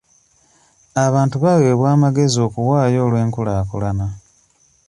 Abantu baweebwa amagezi okuwaayo olw'enkulaakulana.